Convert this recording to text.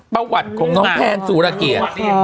เบาอวกของเน้นแพนสวัสดี